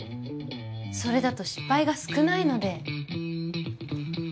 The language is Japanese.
それだと失敗が少ないので。